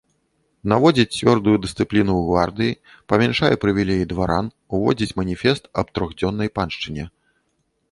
Наводзіць цвёрдую дысцыпліну ў гвардыі, памяншае прывілеі дваран, уводзіць маніфест аб трохдзённай паншчыне.